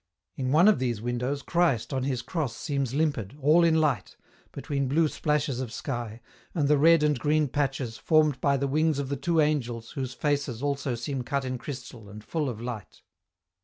In one of these windows Christ on His cross seems limpid, all in light, between blue splashes of sky, and the red and green patches, formed by the wings of the two angels whose faces also seem cut in crystal and full of light.